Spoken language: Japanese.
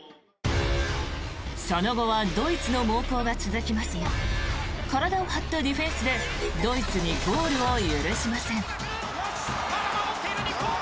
その後はドイツの猛攻が続きますが体を張ったディフェンスでドイツにゴールを許しません。